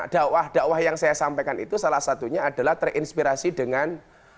dakwah dakwah yang saya sampaikan itu salah satunya adalah terinspirasi dengan